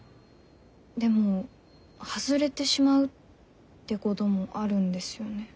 でも外れてしまうってこともあるんですよね。